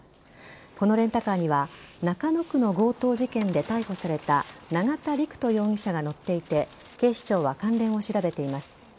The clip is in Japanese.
このレンタカーには中野区の強盗事件で逮捕された永田陸人容疑者が乗っていて警視庁は関連を調べています。